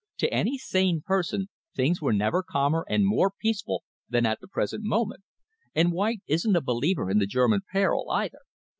To any sane person things were never calmer and more peaceful than at the present moment, and White isn't a believer in the German peril, either.